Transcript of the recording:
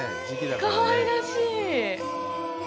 かわいらしい。